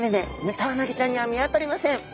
ヌタウナギちゃんには見当たりません。